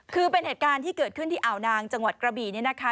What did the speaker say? คือเป็นเหตุการณ์ที่เกิดขึ้นที่อ่าวนางจังหวัดกระบี่เนี่ยนะคะ